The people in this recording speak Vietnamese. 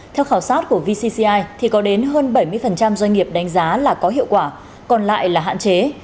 theo khảo sát của vcci thì có đến hơn bảy mươi doanh nghiệp đánh giá là có hiệu quả còn lại là hạn chế